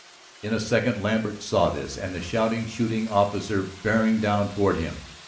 In a second Lambert saw this, and the shouting, shooting officer bearing down toward him.